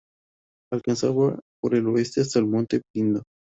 Alcanzaba por el oeste hasta el monte Pindo.